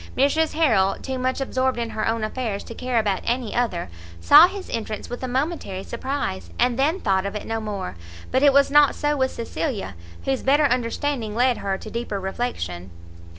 Mrs Harrel, too much absorbed in her own affairs to care about any other, saw his entrance with a momentary surprise, and then thought of it no more; but it was not so with Cecilia, whose better understanding led her to deeper reflection.